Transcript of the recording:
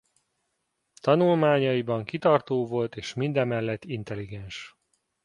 Tanulmányaiban kitartó volt és mindemellett intelligens.